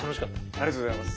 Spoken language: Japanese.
ありがとうございます。